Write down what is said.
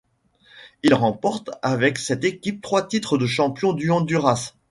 Il remporte avec cette équipe trois titres de champion du Honduras.